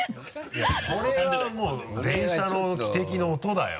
いやこれはもう電車の汽笛の音だよ。